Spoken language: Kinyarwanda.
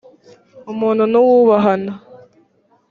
umuntu nuwubahana.